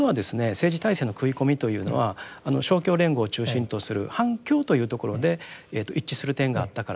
政治体制の食い込みというのは勝共連合を中心とする反共というところで一致する点があったからですよね。